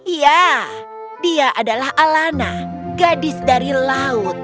iya dia adalah alana gadis dari laut